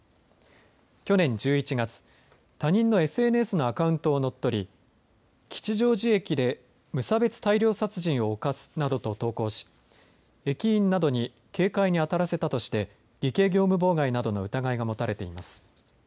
去年１１月、他人のＳＮＳのアカウントを乗っ取り吉祥寺駅で無差別大量殺人を犯すなどと投稿し駅員などに警戒にあたらせたとして偽計業務妨害などの疑いが持たれています。